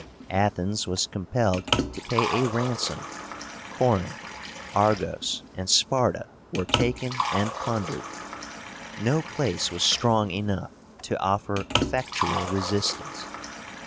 Athens was compelled to pay a ransom; Corinth, Argos, and Sparta were taken and plundered. No place was strong enough to offer effectual resistance.